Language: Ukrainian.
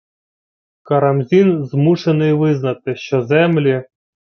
Карамзін змушений визнати, що землі